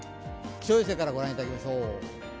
気象衛星から御覧いただきましょう。